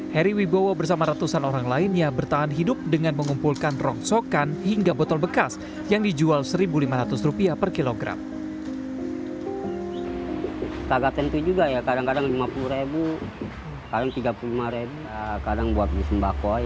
heri wibowo bersama ratusan orang lainnya bertahan hidup dengan mengumpulkan rongsokan hingga botol bekas yang dijual rp satu lima ratus per kilogram